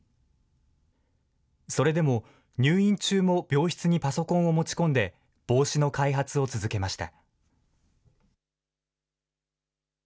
それでも、入院中も病室にパソコンを持ち込んで、帽子の開発を続けました。